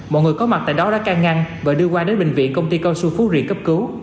mọi người có mặt tại đó đã can ngăn và đưa qua đến bệnh viện công ty cao su phú riêng cấp cứu